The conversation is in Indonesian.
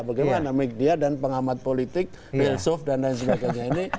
bagaimana media dan pengamat politik belsuf dan lain sebagainya ini